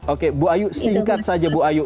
oke bu ayu singkat saja bu ayu